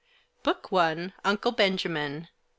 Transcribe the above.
BOOK I. UNCLE BENJAMIN.